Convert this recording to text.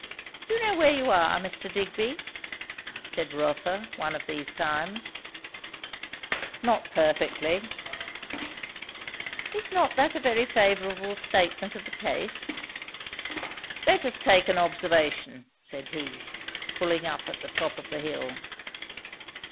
"Do you know where you are, Mr. Digby?" said Rotha, one of these times. "Not perfectly." "Is not that a very favourable statement of the case?" "Let us take an observation," said he, pulling up at the top of the hill.